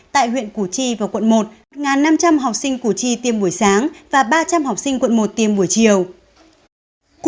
tại huyện củ chi và quận một năm trăm linh học sinh củ chi tiêm buổi sáng và ba trăm linh học sinh quận một tiêm buổi chiều